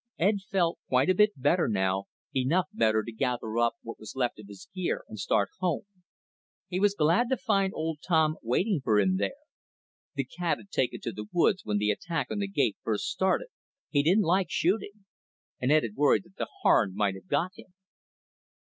Ed felt quite a bit better now, enough better to gather up what was left of his gear and start home. He was glad to find old Tom waiting for him there. The cat had taken to the woods when the attack on the gate first started, he didn't like shooting, and Ed had worried that the Harn might have got him.